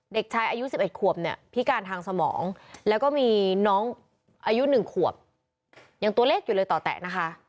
เด็กชายอายุ๑๑ขวบเนี่ยพิการทางสมองแล้วก็มีน้องอายุ๑ขวบยังตัวเล็กอยู่เลยต่อแตะนะคะ